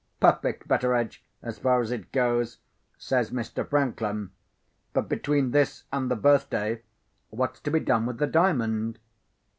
"Perfect, Betteredge, as far as it goes!" says Mr. Franklin. "But between this and the birthday, what's to be done with the Diamond?"